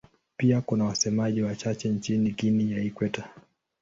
Pia kuna wasemaji wachache nchini Guinea ya Ikweta.